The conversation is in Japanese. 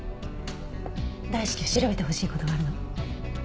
大至急調べてほしい事があるの。